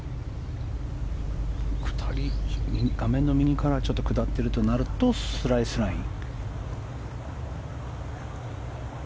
画面の右からちょっと下ってるとなるとスライスライン。